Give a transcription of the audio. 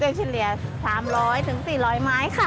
เฉลี่ย๓๐๐๔๐๐ไม้ค่ะ